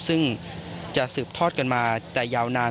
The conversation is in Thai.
ซึ่งจะสืบทอดกันมาแต่ยาวนาน